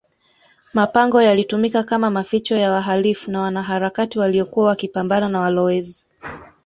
mapango yalitumika kama maficho ya wahalifu na wanaharakati waliyokuwa wakipambana na walowezi